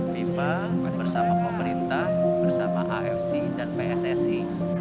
fifa bersama pemerintah bersama afc dan pssi